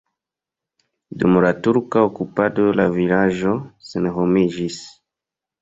Dum la turka okupado la vilaĝo senhomiĝis.